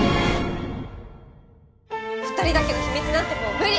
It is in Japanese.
２人だけの秘密なんてもう無理！